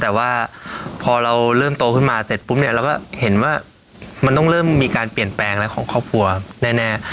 แต่ว่าพอเราเริ่มโตขึ้นมาเสร็จปุ๊บเนี่ยเราก็เห็นว่ามันต้องเริ่มมีการเปลี่ยนแปลงอะไรของครอบครัวแน่